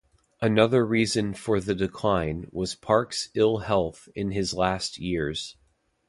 Another reason for the decline was Park’s ill health in his last years.